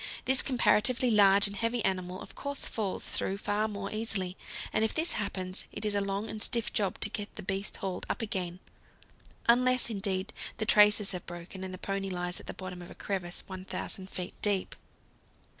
This comparatively large and heavy animal of course falls through far more easily, and if this happens, it is a long and stiff job to get the beast hauled up again unless, indeed, the traces have broken and the pony lies at the bottom of a crevasse 1,000 feet deep.